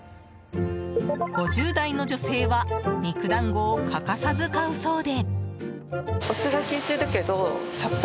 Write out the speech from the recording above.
５０代の女性は肉団子を欠かさず買うそうで。